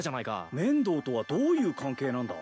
面堂とはどういう関係なんだ？